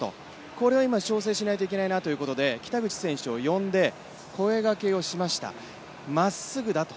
これは調整しなきゃいけないなということで、北口選手を呼んで声がけをしました、まっすぐだと。